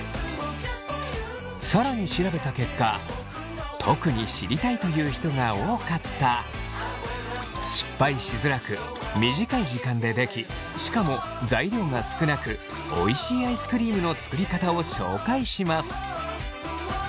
更に調べた結果特に知りたいという人が多かった失敗しづらく短い時間でできしかも材料が少なくおいしいアイスクリームの作りかたを紹介します。